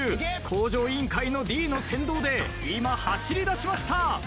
『向上委員会』のＤの先導で今走りだしました。